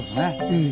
うん。